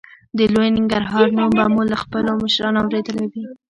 د لوی ننګرهار نوم به مو له خپلو مشرانو اورېدلی وي.